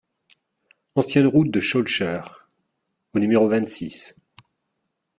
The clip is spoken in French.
Ancienne Route de Schoelcher au numéro vingt-six